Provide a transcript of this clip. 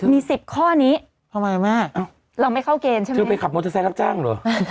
มี๑๐ข้อนี้ทำไมแม่เราไม่เข้าเกณฑ์ใช่ไหมคือไปขับมอเตอร์ไซค์รับจ้างเหรอ